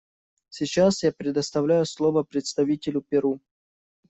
Сейчас я предоставляю слово представителю Перу.